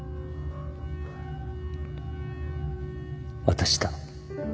私だ